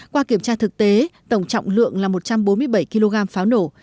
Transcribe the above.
qua kiểm tra thực tế tổng trọng lượng là một trăm bốn mươi bảy kg pháo nổ